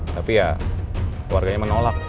tapi ya warganya menolak